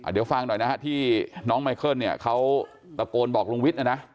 เดี๋ยวฟังหน่อยนะฮะที่น้องไมเคิลเนี่ยเขาตะโกนบอกลุงวิทย์นะนะ